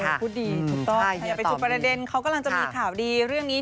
พูดดีถูกต้องใครอย่าไปจุดประเด็นเขากำลังจะมีข่าวดีเรื่องนี้